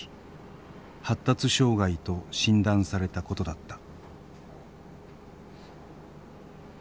発達障害と診断されたことだった。